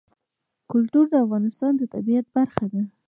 کلتور د افغانستان د طبیعت برخه ده.